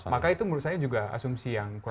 maka itu menurut saya juga asumsi yang kurang tepat